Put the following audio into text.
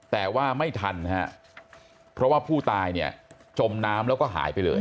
แต่ว่าไม่ทันฮะเพราะว่าผู้ตายเนี่ยจมน้ำแล้วก็หายไปเลย